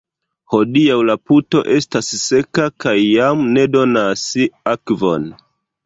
Hodiaŭ la puto estas seka kaj jam ne donas akvon.